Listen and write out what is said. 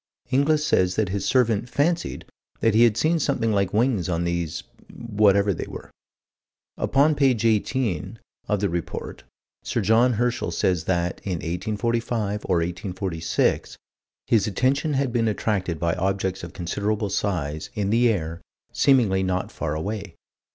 Inglis says that his servant "fancied" that he had seen something like wings on these whatever they were. Upon page 18, of the Report, Sir John Herschel says that, in 1845 or 1846, his attention had been attracted by objects of considerable size, in the air, seemingly not far away.